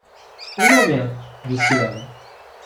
"Um momento", disse ela.